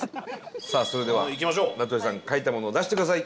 さあそれでは名取さん書いたものを出してください。